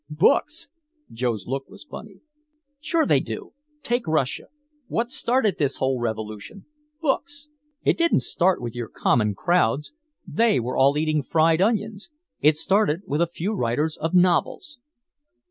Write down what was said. "Books?" Joe's look was funny. "Sure they do. Take Russia. What started this whole revolution! Books. It didn't start with your common crowds they were all eating fried onions. It started with a few writers of novels!"